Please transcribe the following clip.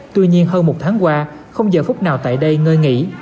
tuy nhiên hơn một tháng qua không giờ phút nào tại đây ngơi nghỉ